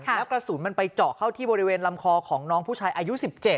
แล้วกระสุนมันไปเจาะเข้าที่บริเวณลำคอของน้องผู้ชายอายุ๑๗